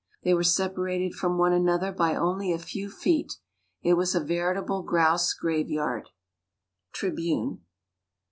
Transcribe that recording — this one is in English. They were separated from one another by only a few feet. It was a veritable grouse graveyard. _Tribune.